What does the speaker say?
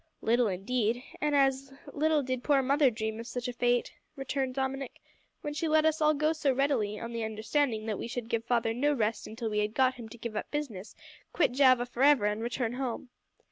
"Little indeed, and as little did poor mother dream of such a fate," returned Dominick, "when she let us all go so readily, on the understanding that we should give father no rest until we had got him to give up business, quit Java for ever, and return home."